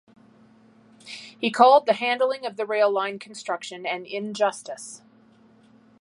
He called the handling of the rail line construction an injustice.